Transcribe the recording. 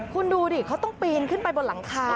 คุณดูดิเขาต้องปีนขึ้นไปบนหลังคา